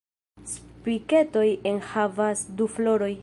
Spiketoj enhavas du floroj.